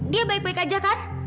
dia baik baik aja kan